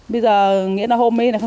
bây giờ nghĩa là hôm ấy